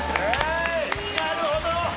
なるほど！